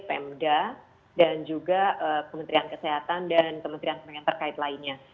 pemda dan juga kementerian kesehatan dan kementerian kementerian terkait lainnya